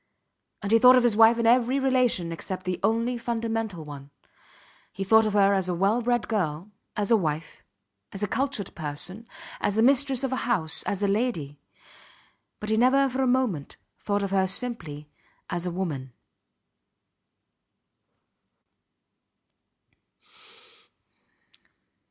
And he thought of his wife in every relation except the only fundamental one. He thought of her as a well bred girl, as a wife, as a cultured person, as the mistress of a house, as a lady; but he never for a moment thought of her simply as a woman.